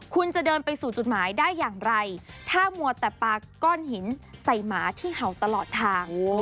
คุณจะเดินไปสู่จุดหมายได้อย่างไรถ้ามัวแต่ปากก้อนหินใส่หมาที่เห่าตลอดทาง